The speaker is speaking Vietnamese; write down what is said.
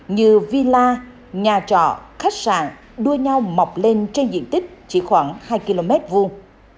như villa nhà trọ khách sạn đua nhau mọc lên trên diện tích chỉ khoảng hai km vuông